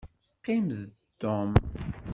Qqim d Tom.